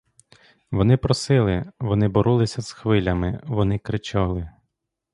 Вони просили, вони боролися з хвилями, вони кричали.